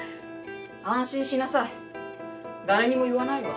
安心しなさい誰にも言わないわ。